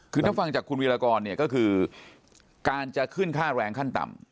คือถ้าฟังจากคุณวิรากรเนี่ยก็คือการจะขึ้นค่าแรงขั้นต่ำ